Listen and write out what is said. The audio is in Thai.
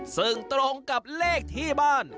ซึ่งตรงกับเลขที่บ้าน